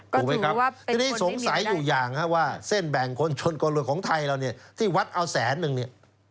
ถูกไหมครับทีนี้สงสัยอยู่อย่างว่าเส้นแบ่งคนชนคนรวยของไทยเราเนี่ยที่วัดเอาแสนนึงเนี่ย